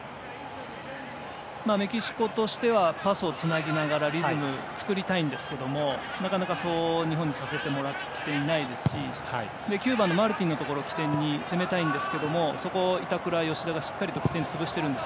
メキシコとしてはパスをつなぎながらリズム作りたいんですけどもなかなか、それを日本にさせてもらっていないですし９番のマルティンを起点に攻めたいんですがそこ板倉、芳田がしっかり起点を潰しているんです。